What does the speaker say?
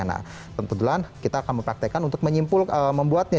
nah tentu saja kita akan mempraktekkan untuk membuatnya